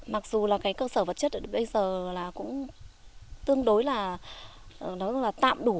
mặc dù là cái cơ sở vật chất bây giờ là cũng tương đối là tạm đủ